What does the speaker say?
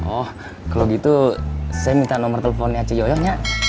oh kalau gitu saya minta nomer teleponnya cek joyong ya